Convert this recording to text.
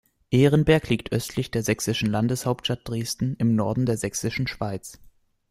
Ehrenberg liegt östlich der sächsischen Landeshauptstadt Dresden im Norden der Sächsischen Schweiz.